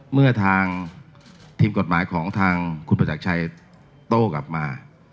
เมื่อทางทีมกฎหมายของทางคุณประจักรชัยโต้กลับมา